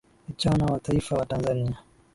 ichana wa taifa wa tanzania